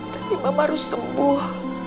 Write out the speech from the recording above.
tapi mama harus sembuh